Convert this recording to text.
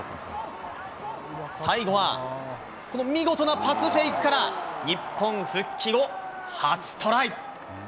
最後は、この見事なパスフェイクから日本復帰後、初トライ。